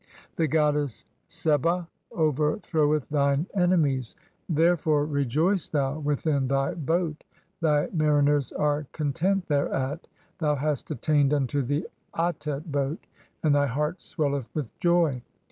The goddess Seba over "throweth thine enemies, therefore rejoice thou within (7) thy "boat ; thy mariners are content thereat. Thou hast attained unto "the Atet boat, and thy heart swelleth with joy.